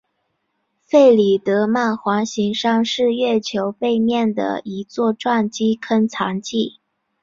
弗里德曼环形山是月球背面的一座撞击坑残迹。